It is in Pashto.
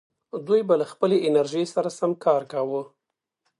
دوی به له خپلې انرژۍ سره سم کار کاوه.